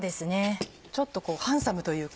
ちょっとこうハンサムというか。